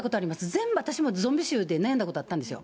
全部、私もゾンビ臭で悩んだことあったんですよ。